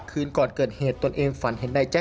คืนก่อนเกิดเหตุตนเองฝันเห็นนายแจ๊